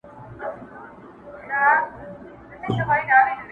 o د ډېري اغزى، د يوه غوزى!